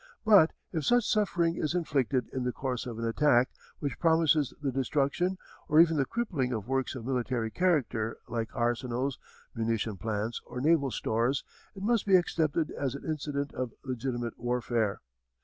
But if such suffering is inflicted in the course of an attack which promises the destruction or even the crippling of works of military character like arsenals, munition plants, or naval stores, it must be accepted as an incident of legitimate warfare.